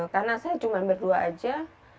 karena saya cuma berdua aja